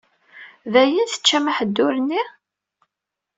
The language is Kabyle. Dayen teččam aḥeddur-nni?